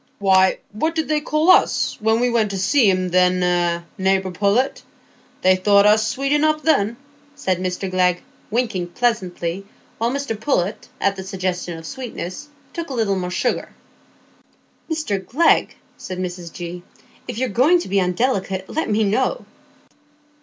"Why, what did they call us, when we went to see 'em, then, eh, neighbour Pullet? They thought us sweet enough then," said Mr Glegg, winking pleasantly; while Mr Pullet, at the suggestion of sweetness, took a little more sugar. "Mr Glegg," said Mrs G., "if you're going to be undelicate, let me know."